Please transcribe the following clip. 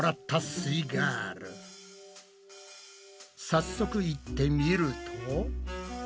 早速行ってみると。